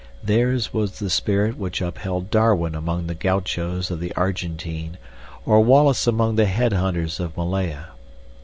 Theirs was the spirit which upheld Darwin among the gauchos of the Argentine or Wallace among the head hunters of Malaya.